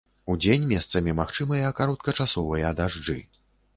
Удзень месцамі магчымыя кароткачасовыя дажджы.